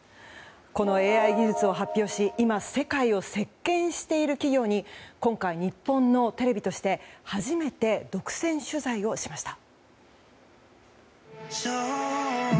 このＡＩ技術を発表し今、世界を席巻している企業に今回、日本のテレビとして初めて独占取材をしました。